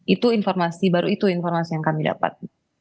itu informasi baru itu informasi yang kami dapat